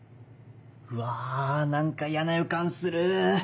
うわ何か嫌な予感する。